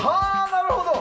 なるほど！